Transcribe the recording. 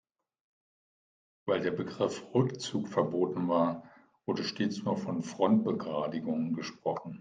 Weil der Begriff "Rückzug" verboten war, wurde stets nur von Frontbegradigung gesprochen.